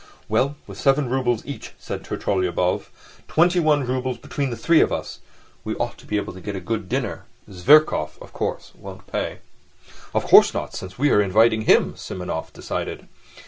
"Well, with seven roubles each," said Trudolyubov, "twenty one roubles between the three of us, we ought to be able to get a good dinner. Zverkov, of course, won't pay." "Of course not, since we are inviting him," Simonov decided.